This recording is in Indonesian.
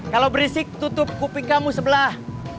kalau berisik tutup kuping kamu sebelah